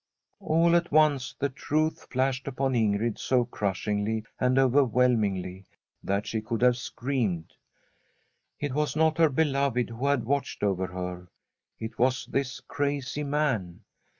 All at once the truth flashed upon Ingrid so crushingly and overwhelmingly that she could have screamed. It was not her beloved who had watched over her ; it was this crazy man.